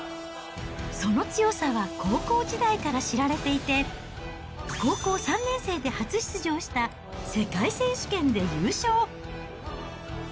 その強さは高校時代から知られていて、高校３年生で初出場した世界選手権で優勝。